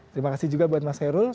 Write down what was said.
terima kasih juga buat mas herul